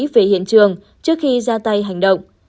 về hiện trường trước khi ra tay hành động